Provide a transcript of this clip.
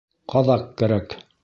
Ҡаҙаҡ кәрәк!